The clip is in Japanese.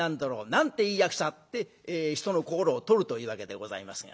「なんていい役者」って人の心をとるというわけでございますが。